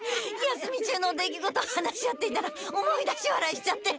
休み中の出来事話し合っていたら思い出しわらいしちゃって。